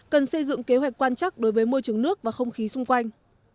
cần xây dựng kế hoạch quan chắc đối với môi trường nước và không khí xung quanh